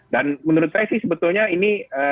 dan menurut saya sih sebetulnya ini